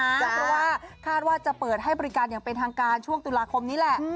เพราะว่าคาดว่าจะเปิดให้บริการอย่างเป็นทางการช่วงตุลาคมนี้แหละ